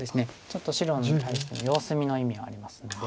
ちょっと白に対して様子見の意味がありますので。